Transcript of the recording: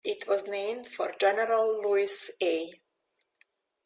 It was named for General Lewis A.